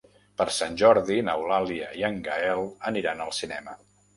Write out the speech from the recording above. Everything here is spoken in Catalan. Per Sant Jordi n'Eulàlia i en Gaël aniran al cinema.